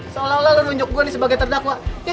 seolah olah lu nunjuk gue sebagai terdakwa